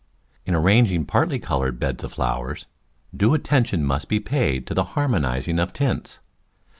In arranging parti coloured beds of flowers, due attention must be paid to the harmonising of tints.